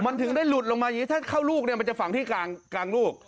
มันถึงได้หลุดลงมาอย่างนี้ถ้าเข้าลูกเนี่ยมันจะฝังที่กลางลูก